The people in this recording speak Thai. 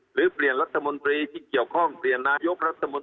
หรือเปลี่ยนรัฐบาลที่เกี่ยวข้องเปลี่ยนนายสมศรัพทร์